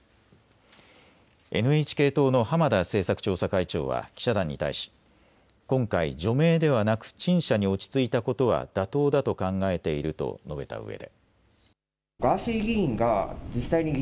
ＮＨＫ党の浜田政策調査会長は記者団に対し今回、除名ではなく陳謝に落ち着いたことは妥当だと考えていると述べたうえで。